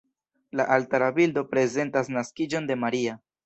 La altara bildo prezentas naskiĝon de Maria.